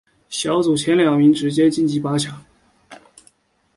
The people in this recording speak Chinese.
小组前两名直接晋级八强。